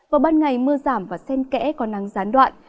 vào ban ngày mưa giảm và sen kẽ có nắng gián đoạn